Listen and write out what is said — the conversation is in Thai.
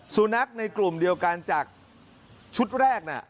สุนัขในกลุ่มเดียวกันจากชุดแรกน่ะ